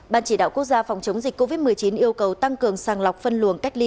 ban chỉ đạo quốc gia phòng chống dịch covid một mươi chín yêu cầu tăng cường sàng lọc phân luồng cách ly